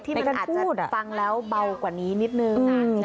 อาจจะฟังแล้วเบากว่านี้นิดนึง